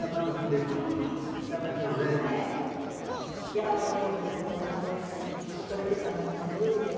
母はねよくねここをねこうやってねこっから出たのをね